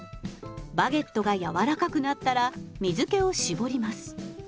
バゲットが柔らかくなったら水けを絞ります。